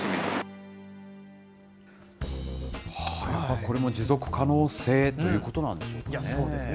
これも持続可能性ということなんでしょうかね。